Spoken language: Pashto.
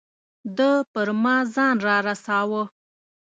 ده پر ما ځان را رساوه.